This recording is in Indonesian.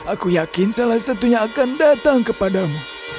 aku yakin salah satunya akan datang kepadamu